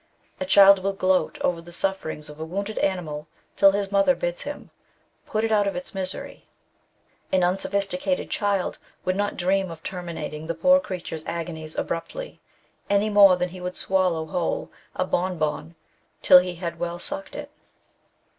A child will gloat over the sufferings of a wounded animal till his mother bids him put it out of its misery.*' An unsophisticated child would not dream of terminating the poor creature's agonies abruptly, any more than he would swallow whole a bon bon till he had well sucked it.